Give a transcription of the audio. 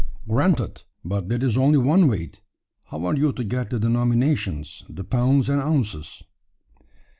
"Granted. But that is only one weight; how are you to get the denominations the pounds and ounces?"